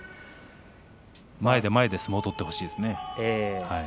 前で前で相撲を取ってほしいですね。